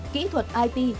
kỹ thuật it